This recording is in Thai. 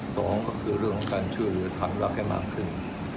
สองก็คือเรื่องของการช่วยเหลือฐานรักให้มากขึ้น